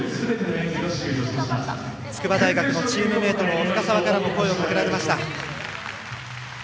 筑波大学のチームメート深沢からも声をかけられました。